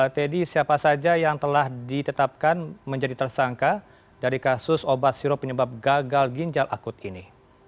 teddy siapa saja yang telah ditetapkan menjadi tersangka dari kasus obat sirup penyebab gagal ginjal akut ini